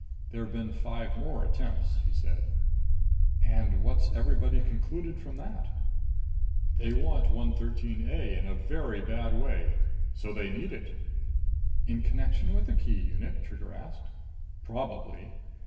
"There've been five more attempts," he said. "And what's everybody concluded from that?" "They want 113 A in a very bad way. So they need it." "In connection with the key unit?" Trigger asked. "Probably."